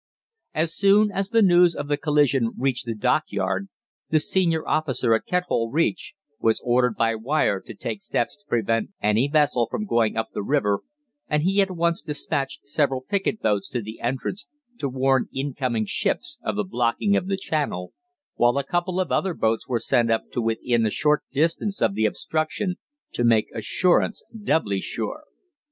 "As soon as the news of the collision reached the dockyard the senior officer at Kethole Reach was ordered by wire to take steps to prevent any vessel from going up the river, and he at once despatched several picket boats to the entrance to warn in coming ships of the blocking of the channel, while a couple of other boats were sent up to within a short distance of the obstruction to make assurance doubly sure.